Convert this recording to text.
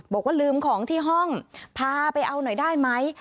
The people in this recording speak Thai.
บอกว่าลืมของที่ห้องพาไปเอาหน่อยได้ไหม